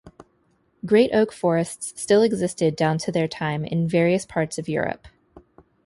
Great oak forests still existed down to their time in various parts of Europe.